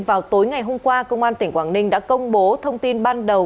vào tối ngày hôm qua công an tỉnh quảng ninh đã công bố thông tin ban đầu